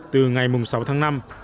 từ ngày sáu tháng năm